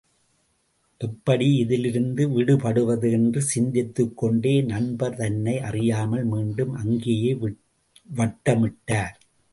எப்படி இதிலிருந்து விடுபடுவது? என்று சிந்தித்துக் கொண்டே நண்பர் தன்னை அறியாமல் மீண்டும் அங்கேயே வட்டமிட்டார்.